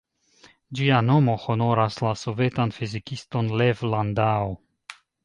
Ĝia nomo honoras la sovetan fizikiston Lev Landau.